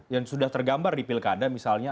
yang sudah tergambar di pilkada misalnya